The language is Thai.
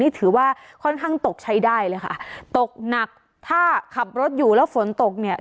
ถือว่าค่อนข้างตกใช้ได้เลยค่ะตกหนักถ้าขับรถอยู่แล้วฝนตกเนี่ย